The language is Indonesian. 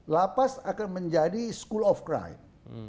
lapas akan menjadi school of crime